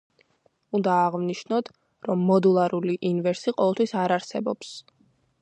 უნდა აღვნიშნოთ, რომ მოდულარული ინვერსი ყოველთვის არ არსებობს.